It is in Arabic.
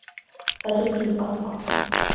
لا تطل البقاء!